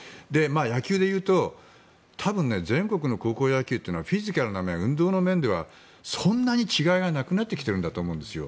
野球で言うと多分全国の高校野球というのはフィジカルな面運動の面ではそんなに違いがなくなってきていると思うんですよ。